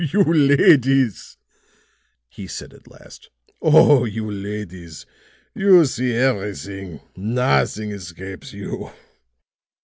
"Oh, you ladies!" he said at last. "Oh, you ladies, you see everything! Nothing escapes you."